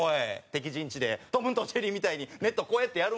敵陣地で『トムとジェリー』みたいにネットこうやってやるんか？